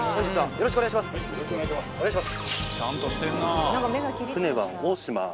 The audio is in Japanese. よろしくお願いします。